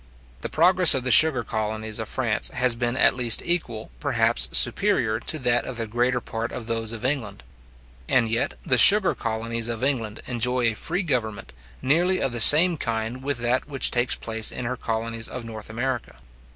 The progress of the sugar colonies of France has been at least equal, perhaps superior, to that of the greater part of those of England; and yet the sugar colonies of England enjoy a free government, nearly of the same kind with that which takes place in her colonies of North America.